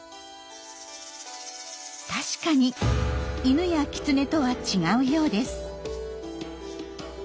確かにイヌやキツネとは違うようです。